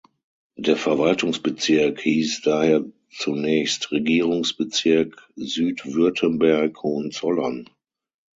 Der Verwaltungsbezirk hieß daher zunächst Regierungsbezirk Südwürttemberg-Hohenzollern.